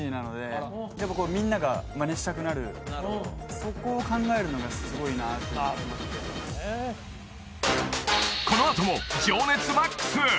しかもそこを考えるのがすごいなってこのあとも情熱マックス！